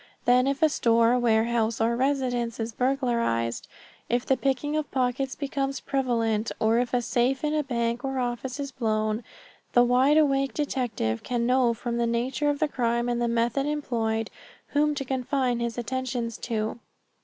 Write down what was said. Then if a store, warehouse, or residence is burglarized, if the picking of pockets becomes prevalent, or if a safe in a bank or office is blown, the wide awake detective can know from the nature of the crime, and the method employed, whom to confine his attentions to.